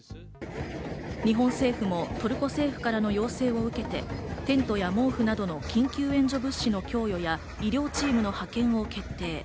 日本政府もトルコ政府からの要請を受けて、テントや毛布などの緊急援助物資の供与や、医療チームの派遣を決定。